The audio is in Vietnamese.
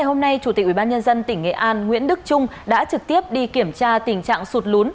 hôm nay chủ tịch ubnd tỉnh nghệ an nguyễn đức trung đã trực tiếp đi kiểm tra tình trạng sụt lún